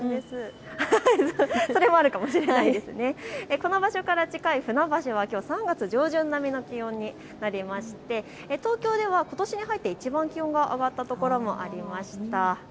この場所から近い船橋はきょう３月上旬並みの気温になりまして東京ではことしに入っていちばん気温が上がった所もありました。